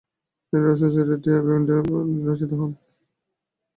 তিনি royal society of এডিনবরার fellow নির্বাচিত হন।